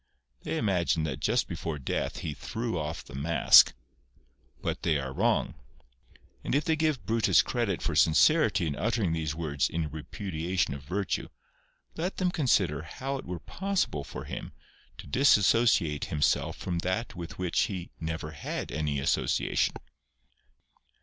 They imagine that just before death he threw off the mask. But they are wrong ; and if they give Brutus credit for sincerity in uttering these words in repudiation of virtue, let them consider how it were possible for him to abandon what he never possessed, or to disassociate himself from that with which he never had any association.